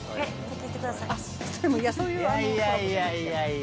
いやいやいやいや。